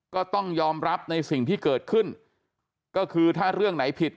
ก็ต้องยอมรับในสิ่งที่เกิดขึ้นก็คือถ้าเรื่องไหนผิด